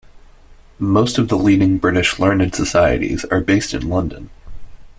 Most of the leading British learned societies are based in London.